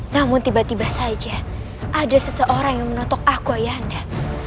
namun tiba tiba saja ada seseorang yang menotok aku ayah anda